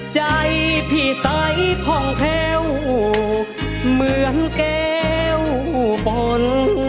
ใจพี่ใสผ่องแพ้วเหมือนแก้วปน